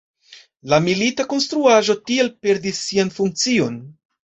La milita konstruaĵo tiel perdis sian funkcion.